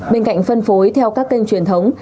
bên cạnh phân phối theo các kênh truyền thống